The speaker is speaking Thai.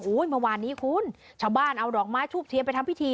เมื่อวานนี้คุณชาวบ้านเอาดอกไม้ทูบเทียนไปทำพิธี